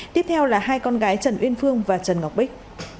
tiếp theo là hai con gái trần uyên phương và trần ngọc bích